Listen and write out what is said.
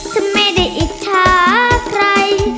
ฉันไม่ได้อิจฉาใคร